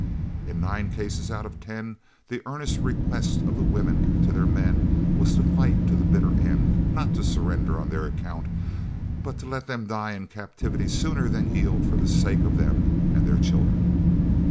In nine cases out of ten the earnest request of the women to their men was to fight to the bitter end not to surrender on their account, but to let them die in captivity sooner than yield for the sake of them and their children.